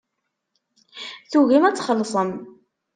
Tugim ad txellṣem.